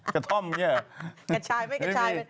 กระท่อมเงี้ย